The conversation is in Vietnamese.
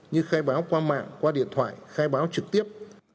như khai báo qua mạng qua điện thoại khai báo trực tiếp